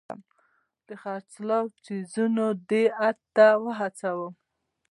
د خرڅلاو څیزونه دې ته هڅولم.